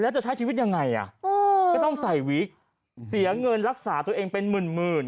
แล้วจะใช้ชีวิตยังไงอ่ะก็ต้องใส่วิกเสียเงินรักษาตัวเองเป็นหมื่น